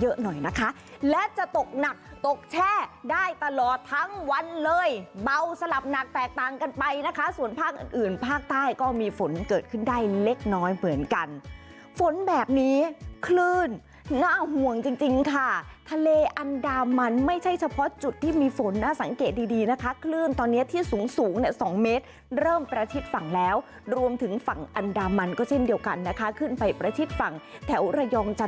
เยอะหน่อยนะคะและจะตกหนักตกแช่ได้ตลอดทั้งวันเลยเบาสลับหนักแตกต่างกันไปนะคะส่วนภาคอื่นอื่นภาคใต้ก็มีฝนเกิดขึ้นได้เล็กน้อยเหมือนกันฝนแบบนี้คลื่นน่าห่วงจริงจริงค่ะทะเลอันดามันไม่ใช่เฉพาะจุดที่มีฝนน่าสังเกตดีดีนะคะคลื่นตอนเนี้ยที่สูงสูงเนี้ยสองเมตรเริ่มประชิดฝั่งแล้วรว